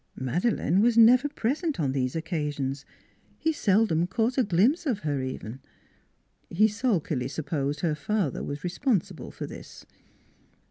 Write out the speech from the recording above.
Madeleine was never present on these occasions; he seldom caught a glimpse of her, even. He sulkily supposed her father was responsible for this.